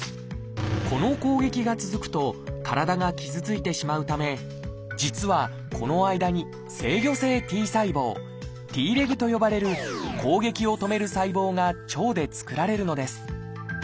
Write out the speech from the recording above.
この攻撃が続くと体が傷ついてしまうため実はこの間に「制御性Ｔ細胞」と呼ばれる攻撃を止める細胞が腸で作られるのです。